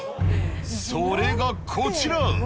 それがこちら。